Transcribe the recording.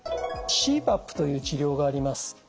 ＣＰＡＰという治療があります。